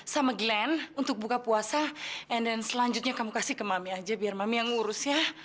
sama glenn untuk buka puasa and then selanjutnya kamu kasih ke mami aja biar mami yang ngurusnya